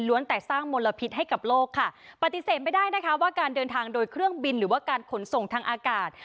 แต่สร้างมลพิษให้กับโลกค่ะปฏิเสธไม่ได้นะคะว่าการเดินทางโดยเครื่องบินหรือว่าการขนส่งทางอากาศ